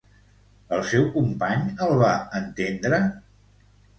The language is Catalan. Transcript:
El seu company el va entendre?